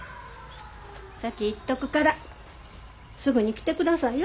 先行っとくからすぐに来てくださいよ。